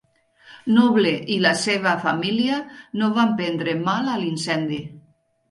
Noble i la seva família no van prendre mal a l'incendi.